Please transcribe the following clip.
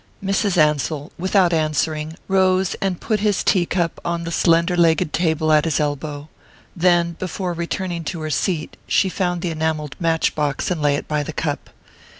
Mrs. Ansell, without answering, rose and put his tea cup on the slender legged table at his elbow; then, before returning to her seat, she found the enamelled match box and laid it by the cup.